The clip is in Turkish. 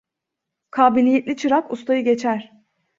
Kabiliyetli çırak ustayı geçer.